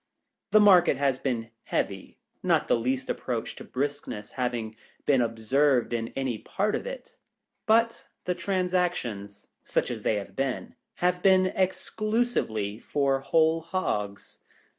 The market has been heavy — not the least approach to briskness having been observed in .any part of it ; but, the trans actions, such as they have been, have been exclusively for Whole Hogs.